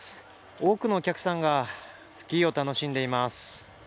多くのお客さんがスキーを楽しんでいます。